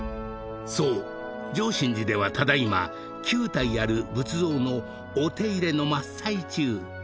［そう淨眞寺ではただ今９体ある仏像のお手入れの真っ最中］